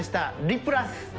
「リプラス」